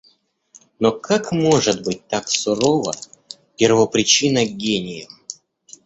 Но как может быть так сурова первопричина к гениям?